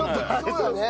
そうだね。